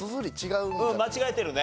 うん間違えてるね。